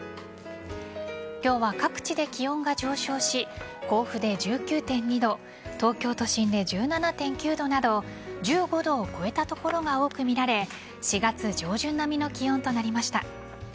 今日は各地で気温が上昇し甲府で１９．２度東京都心で１７．９度など１５度を超えた所が多く見られ４月上旬並みの気温となりました。